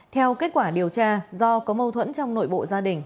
theo kết quả điều tra do có mâu thuẫn trong nội bộ gia đình